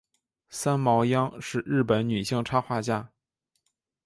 三毛央是日本女性插画家。